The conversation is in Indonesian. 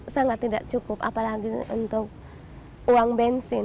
sangat tidak cukup apalagi untuk uang bensin